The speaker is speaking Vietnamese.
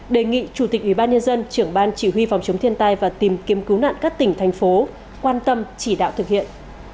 đề nghị chủ tịch ubnd trưởng ban chỉ huy phòng chống thiên tai và tìm kiếm cứu nạn các tỉnh thành phố quan tâm chỉ đạo thực hiện